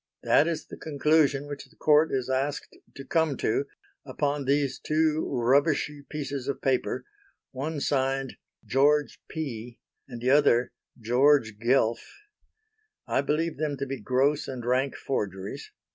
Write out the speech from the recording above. That is the conclusion which the Court is asked to come to upon these two rubbishy pieces of paper, one signed 'George P.,' and the other 'George Guelph.' I believe them to be gross and rank forgeries.